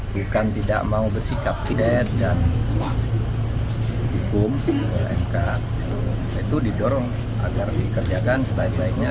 bukan tidak mau bersikap tidak dan dihukum oleh mk itu didorong agar dikerjakan sebaik baiknya